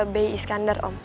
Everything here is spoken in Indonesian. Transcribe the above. bay iskandar om